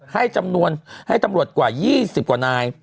ให้จำนวนให้ตำรวจกว่า๒๐กว่านาย